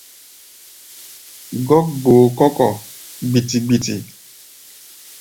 Gɔ́k gboo kɔ́ kɔ̧ gbiti-gbiti.